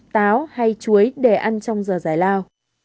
máu hay chuối để ăn trong giờ dài lao